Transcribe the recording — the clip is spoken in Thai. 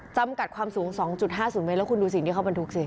จำกัดความสูง๒๕๐เมตรแล้วคุณดูสิ่งที่เขาบรรทุกสิ